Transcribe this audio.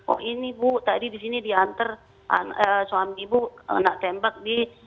oh ini bu tadi di sini diantar suami ibu anak tembak di